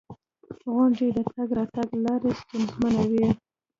• غونډۍ د تګ راتګ لارې ستونزمنوي.